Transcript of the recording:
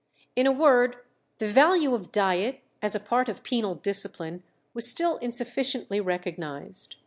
In a word, the value of diet as a part of penal discipline was still insufficiently recognized.